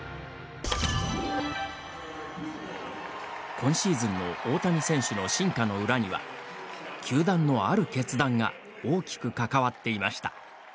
今シーズンの大谷選手の進化の裏には球団のある決断が大きく関わっていました。